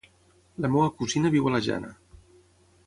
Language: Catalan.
La meva cosina viu a la Jana.